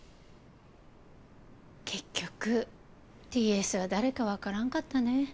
結局Ｔ・Ｓは誰か分からんかったね。